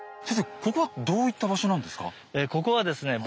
ここはどういった場所なんですか？